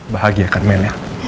bahagia kan men ya